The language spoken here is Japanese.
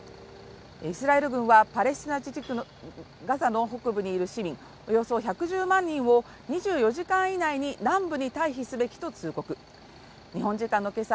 イスラエル軍はパレスチナ自治区のガザの北部にいる市民およそ１１０万人を２４時間以内に南部に退避すべきと通告日本時間のけさ